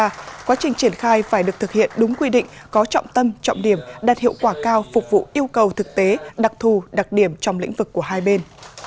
ngoài ra quá trình triển khai phải được thực hiện đúng quy định có trọng tâm trọng điểm đạt hiệu quả cao phục vụ yêu cầu thực tế đặc thù đặc điểm trong lĩnh vực của hai bên